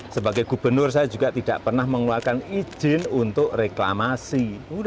sebagai gubernur saya juga tidak pernah mengeluarkan izin untuk reklamasi